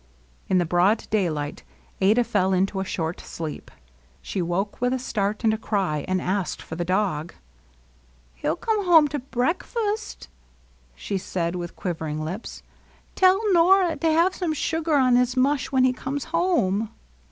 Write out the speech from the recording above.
In the broad daylight Adah fell into a short sleep. She woke with a start and a cry^ and asked for the dog. " He *11 come home to breakf ust/' she said^ with quiyering lip. '^ Tell Nora to have some sugar on his mush when he comes home."